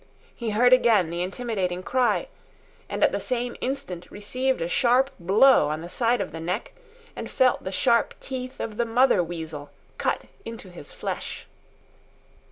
He heard again the intimidating cry, and at the same instant received a sharp blow on the side of the neck and felt the sharp teeth of the mother weasel cut into his flesh.